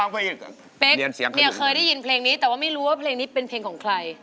เป๊ะนี่เคยได้ยินเพลงแบบนี้แต่ว่าไม่รู้ว่ามันเป็นเพลงของใคร